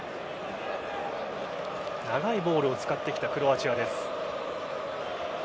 長いボールを使ってきたクロアチアです。